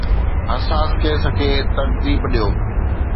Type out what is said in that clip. حساس ڪيس کي ترتيب ڏيو